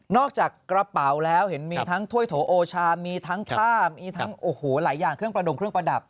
จากกระเป๋าแล้วเห็นมีทั้งถ้วยโถโอชามีทั้งผ้ามีทั้งโอ้โหหลายอย่างเครื่องประดงเครื่องประดับ